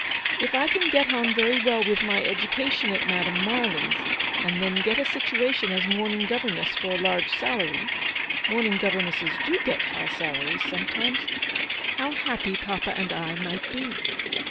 If I can get on very well with my education at Madame Marly's, and then get a situation as morning governess for a large salary — morning governesses do get high salaries sometimes — how happy papa and I might be."